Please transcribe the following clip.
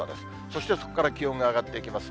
そしてそこから気温が上がっていきます。